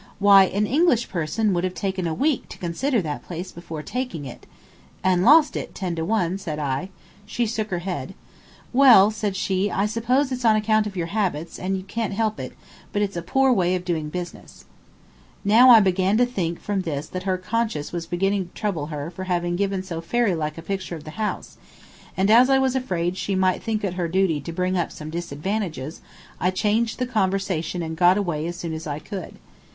Why, an English person would have taken a week to consider that place before taking it." "And lost it, ten to one," said I. She shook her head. "Well," said she, "I suppose it's on account of your habits, and you can't help it, but it's a poor way of doing business." [Illustration: "You Americans are the speediest people"] Now I began to think from this that her conscience was beginning to trouble her for having given so fairy like a picture of the house, and as I was afraid that she might think it her duty to bring up some disadvantages, I changed the conversation and got away as soon as I could.